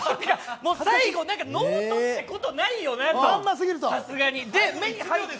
最後ノートってことないよなと、さすがに。